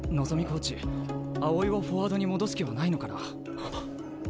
コーチ青井をフォワードに戻す気はないのかな？